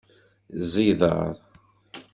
Ẓẓiḍer.